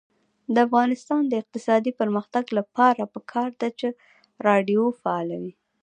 د افغانستان د اقتصادي پرمختګ لپاره پکار ده چې راډیو فعاله وي.